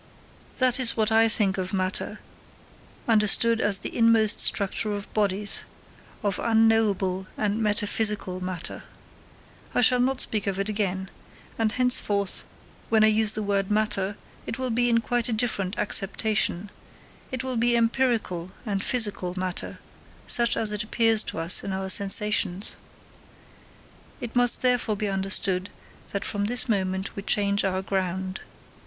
That is what I think of matter, understood as the inmost structure of bodies of unknowable and metaphysical matter. I shall not speak of it again; and henceforth when I use the word matter, it will be in quite a different acceptation it will be empirical and physical matter, such as it appears to us in our sensations. It must therefore be understood that from this moment we change our ground.